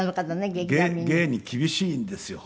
芸に厳しいんですよ。